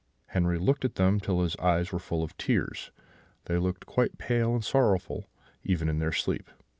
Henri looked at them till his eyes were full of tears; they looked pale and sorrowful even in their sleep.